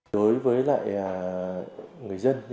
đối với người dân